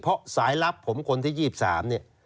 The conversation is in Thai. เพราะสายลับผมคนที่๒๓เนี่ย